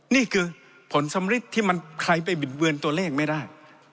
นี่คือผลสำริดที่มันใครไปบิดเบือนตัวเลขไม่ได้